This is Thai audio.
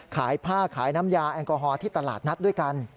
ขายผ้าขายน้ำยาแอลกอฮอลที่ตลาดนัดด้วยกัน